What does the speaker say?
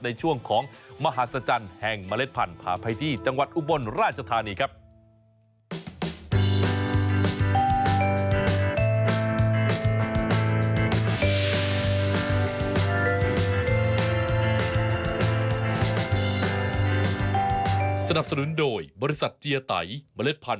ในช่วงของมหาศจรรย์แห่งเมล็ดพันธุ์พาไปที่จังหวัดอุบลราชธานีครับ